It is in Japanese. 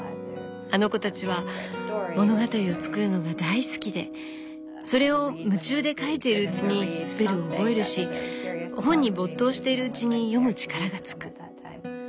あの子たちは物語を作るのが大好きでそれを夢中で書いているうちにスペルを覚えるし本に没頭しているうちに読む力がつく。